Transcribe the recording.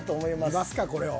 見ますかこれを。